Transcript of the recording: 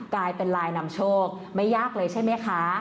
กลายเป็นลายนำโชคไม่ยากเลยใช่ไหมคะ